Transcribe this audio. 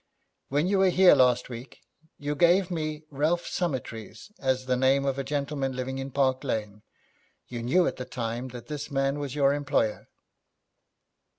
'When you were here last week you gave me Ralph Summertrees as the name of a gentleman living in Park Lane. You knew at the time that this man was your employer?'